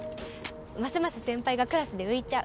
ますます先輩がクラスで浮いちゃう